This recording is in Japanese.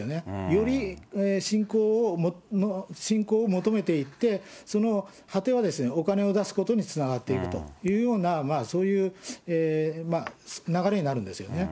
より信仰を求めていって、その果てはお金を出すことにつながっているというような、そういう流れ